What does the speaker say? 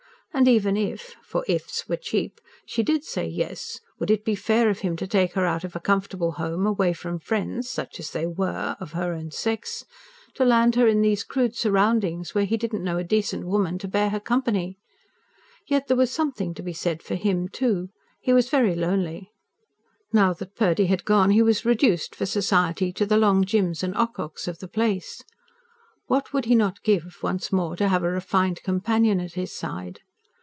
And even if for "if's" were cheap she did say yes, would it be fair of him to take her out of a comfortable home, away from friends such as they were! of her own sex, to land her in these crude surroundings, where he did not know a decent woman to bear her company? Yet there was something to be said for him, too. He was very lonely. Now that Purdy had gone he was reduced, for society, to the Long Jims and Ococks of the place. What would he not give, once more to have a refined companion at his side?